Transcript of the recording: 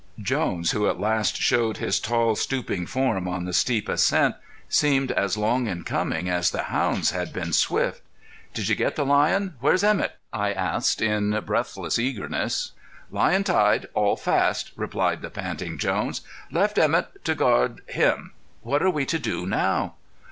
Jones, who at last showed his tall stooping form on the steep ascent, seemed as long in coming as the hounds had been swift. "Did you get the lion? Where's Emett?" I asked in breathless eagerness. "Lion tied all fast," replied the panting Jones. "Left Emett to guard him." "What are we to do now?"